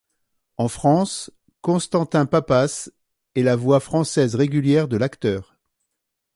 En France, Constantin Pappas est la voix française régulière de l'acteur.